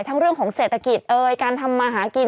เรื่องของเศรษฐกิจเอ่ยการทำมาหากิน